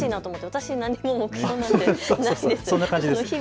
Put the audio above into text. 私、何も目標なんてないです。